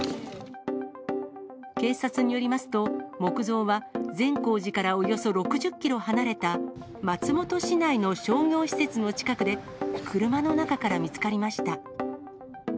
警察によりますと、木像は善光寺からおよそ６０キロ離れた、松本市内の商業施設の近くで、車の中から見つかりました。